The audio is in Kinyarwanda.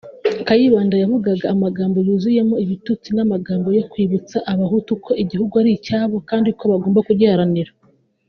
Kayibanda yavugaga amagambo yuzuyemo ibitutsi n’amagambo yo kwibutsa abahutu ko igihugu ari icyabo kandi ko bagomba kugiharanira